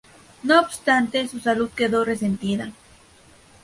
No obstante, su salud quedó resentida.